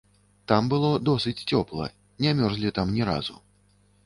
Там было досыць цёпла, не мерзлі там ні разу.